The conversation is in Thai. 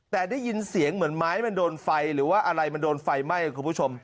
แต่ได้ยินเสียงเหมือนไม้มันโดนไฟหรือว่าอะไรมันโดนไฟไหม้คุณผู้ชม